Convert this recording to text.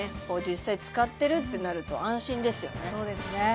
こう実際使ってるってなると安心ですよね